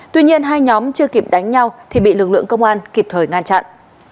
tuy nhiên hai nhóm chưa kịp đánh nhau thì bị lực lượng công an kịp thời ngăn chặn